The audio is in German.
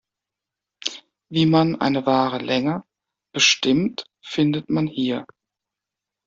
Wie man eine "wahre Länge" bestimmt findet man hier.